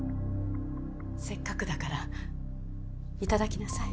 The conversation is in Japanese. せっかくだから頂きなさい。